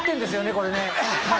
これね。